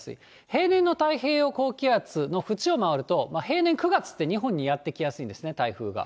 平年の太平洋高気圧の縁を回ると、平年９月って、日本にやって来やすいんですね、台風が。